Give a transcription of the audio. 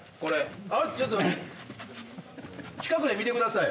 ちょっと近くで見てください。